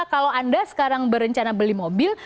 kalau anda sekarang berencana beli mobil